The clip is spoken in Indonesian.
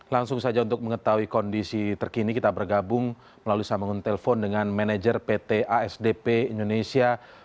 langsung saja untuk mengetahui kondisi terkini kita bergabung melalui sambungan telepon dengan manajer pt asdp indonesia